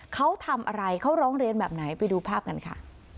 เขาทำอะไรเขาร้องเรียนแบบไหนไปดูภาพกันค่ะ